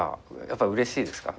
やっぱりうれしいですか？